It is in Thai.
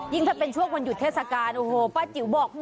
ยิ่งถ้าเป็นช่วงวันหยุดเทศกาลป๊าจิ๋วบอก